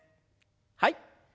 はい。